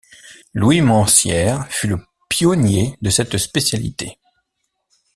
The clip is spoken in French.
Louis Mencière fut le pionnier de cette spécialité.